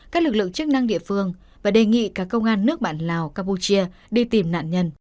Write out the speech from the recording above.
các lực lượng chức năng địa phương và đề nghị cả công an nước bạn lào campuchia đi tìm nạn nhân